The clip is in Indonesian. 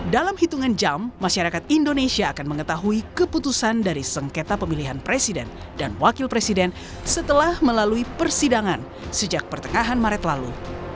dalam hitungan jam masyarakat indonesia akan mengetahui keputusan dari sengketa pemilihan presiden dan wakil presiden setelah melalui persidangan sejak pertengahan maret lalu